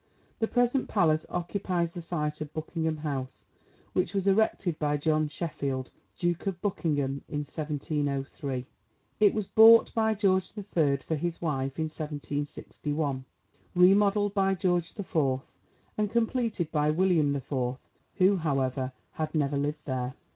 The present palace occupies the site of Buckingham House, which was erected by John Sheffield, Duke of Buckingham, in 1703. It was bought by George the Third for his wife in 1761, remodelled by George the Fourth, and completed by William the Fourth, who, however, had never lived there.